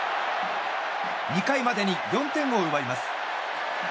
２回までに４点を奪います。